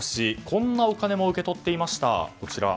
こんなお金も受け取っていました。